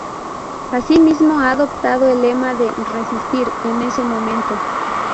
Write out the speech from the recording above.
Asimismo, ha adoptado el lema de "resistir" en este momento.